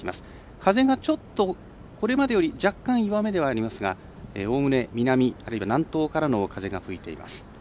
風がちょっとこれまでより若干弱めではありますがおおむね南あるいは南東からの風が吹いています。